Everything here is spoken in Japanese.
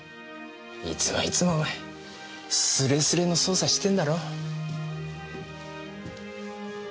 いつもいつもお前すれすれの捜査してんだろ。